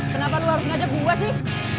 kenapa lo harus ngajak bung bas sih